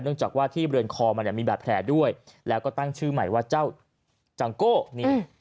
จากว่าที่บริเวณคอมันเนี่ยมีบาดแผลด้วยแล้วก็ตั้งชื่อใหม่ว่าเจ้าจังโก้นี่